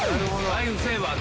ライフセーバー。